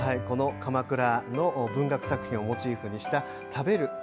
鎌倉の文学作品をモチーフにした「食べる！